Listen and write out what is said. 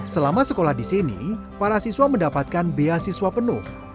selama sekolah di sini para siswa mendapatkan beasiswa penuh